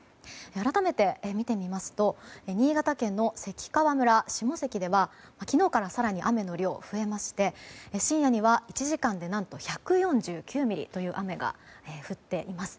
改めて見てみますと新潟県の関川村下関では昨日から更に雨の量が増えまして深夜には１時間で何と１４９ミリという雨が降っています。